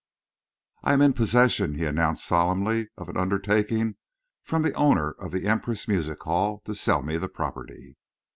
"I am in possession," he announced solemnly, "of an undertaking from the owner of the Empress Music Hall to sell me the property."